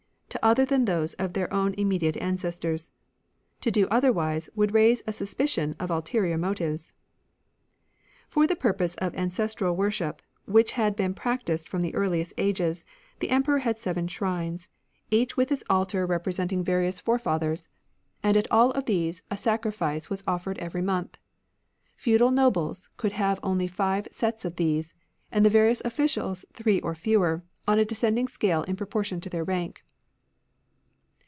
to other than those of their own immediate ancestors. To do otherwise would raise a suspicion of ulterior motives. For the purpose of ancestral wor Wo?ship! ®^P> which had been practised from the earliest ages, the Emperor had seven shrines, each with its altar representing 28 THE ANCIENT FAITH various forefathers ; and at all of these a sac rifice was oflPered every month. Feudal nobles could have only five sets of these, and the var ious oflficials three or fewer, on a descending scale in proportion to their rank.